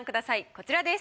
こちらです。